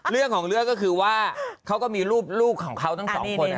เรื่องของเรื่องก็คือว่าเขาก็มีรูปลูกของเขาทั้งสองคน